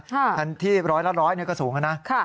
ทันทีร้อยละ๑๐๐นี่ก็สูงกันนะ